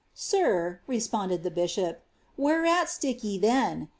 ^ Sir,'' responded the bishop, ^^ whereat stick ye then